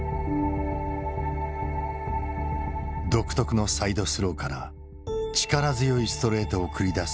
独特のサイドスローから力強いストレートを繰り出す